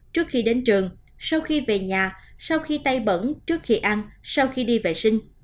trước khi đến trường sau khi về nhà sau khi tay bẩn trước khi ăn sau khi đi vệ sinh